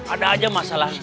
ada aja masalah